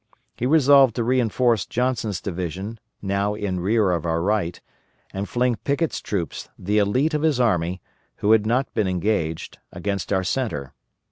He resolved to reinforce Johnson's division, now in rear of our right, and fling Pickett's troops, the élite of his army, who had not been engaged, against our centre.